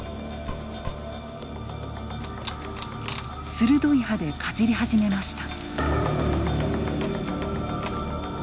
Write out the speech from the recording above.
鋭い歯でかじり始めました。